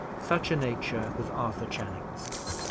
Such a nature was Arthur Channing's.